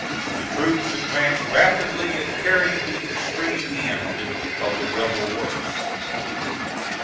The troops advanced rapidly and carried the extreme end of the rebel works.